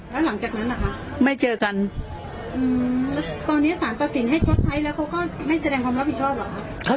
แล้วหลังจากนั้นเหรอคะไม่เจอกันอืมแล้วตอนนี้สารตัดสินให้ชดใช้แล้วเขาก็ไม่แสดงความรับผิดชอบเหรอคะ